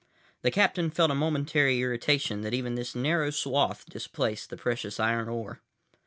The captain felt a momentary irritation that even this narrow swath displaced the precious iron ore.